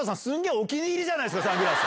お気に入りじゃないですか、サングラス。